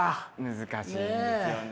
難しいんですよね。